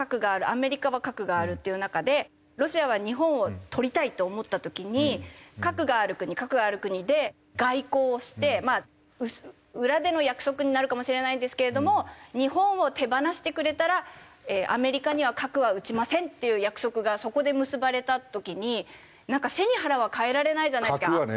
アメリカは核があるっていう中でロシアは日本をとりたいって思った時に核がある国核がある国で外交をして裏での約束になるかもしれないんですけれども日本を手放してくれたらアメリカには核は撃ちませんっていう約束がそこで結ばれた時になんか背に腹は代えられないじゃないですか。